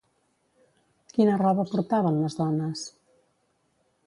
Quina roba portaven les dones?